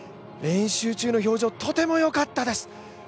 練習中の表情、とてもよかったです。